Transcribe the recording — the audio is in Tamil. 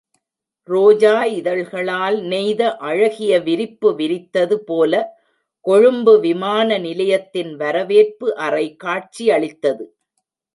ரோஜா இதழ்களால் நெய்த அழகிய விரிப்பு விரித்தது போல கொழும்பு விமான நிலையத்தின் வரவேற்பு அறை காட்சியளித்தது.